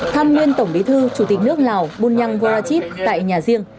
thăm nguyên tổng bí thư chủ tịch nước lào bunyang vorachit tại nhà riêng